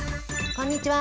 こんにちは。